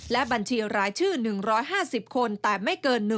และบัญชีรายชื่อ๑๕๐คนแต่ไม่เกิน๑